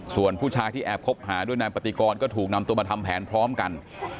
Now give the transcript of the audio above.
ส่วนผู้ชายที่แอบคบหาด้วยนายปฏิกรก็ถูกนำตัวมาทำแผนพร้อมกัน